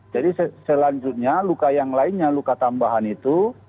jadi selanjutnya luka yang lainnya luka tambahan itu